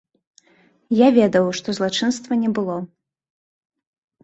Я ведаў, што злачынства не было.